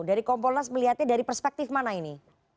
dari kompolnas melihatnya dari perspektif mana ini